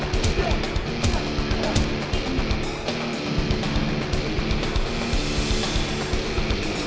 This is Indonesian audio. polisi polisi ada polisi